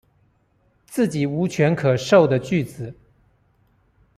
自己無權可授的句子